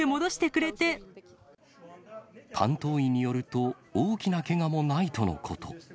担当医によると、大きなけがもないとのこと。